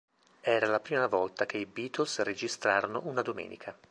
Era la prima volta che i Beatles registrarono una Domenica.